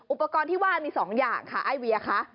อุปกรณ์ที่ว่ามี๒อย่างค่ะไอเวียคะ